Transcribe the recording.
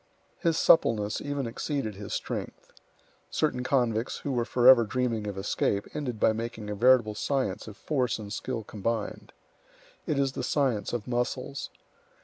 His suppleness even exceeded his strength. Certain convicts who were forever dreaming of escape, ended by making a veritable science of force and skill combined. It is the science of muscles.